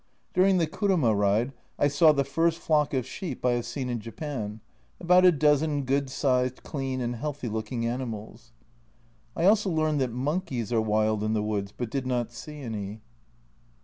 During the kuruma ride I saw the first flock of sheep I have seen in Japan, about a dozen good sized, clean, and healthy looking animals. I also learned that monkeys are wild in the woods, but did not see any.